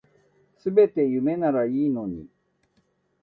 全てが夢ならいいのに